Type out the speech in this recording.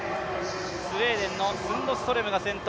スウェーデンのスンドストレムが先頭。